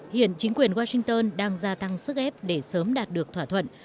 hiện chính quyền washington đang gia tăng sức ép để sớm đạt được thỏa thuận